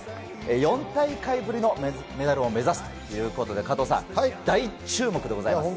４大会ぶりのメダルを目指すということで、大注目でございます。